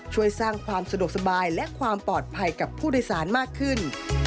ช่วยสร้างความสะดวกสบายและความปลอดภัยกับผู้โดยสารมากขึ้น